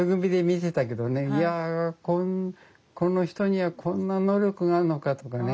「やあこの人にはこんな能力があるのか」とかね。